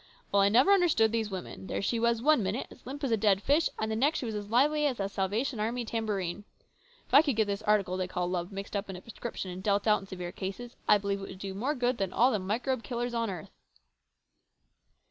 Well, I never understood these women. There she was one minute as limp as a dead fish, and the next she was as lively as a Salvation Army tambourine. If I could get this article they call love mixed up in a prescription, and deal it out in severe cases, I believe it would do more good than all the microbe killers on earth."